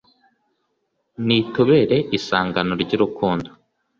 n’itubere isangano ry’urukundo